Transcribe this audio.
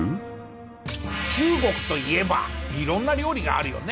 中国といえばいろんな料理があるよね。